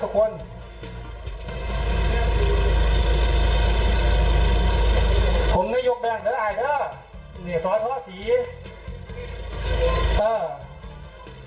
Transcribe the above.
ผมไม่ยกแบงค์เหลืออายเหรอเนี้ยสอยท้อสี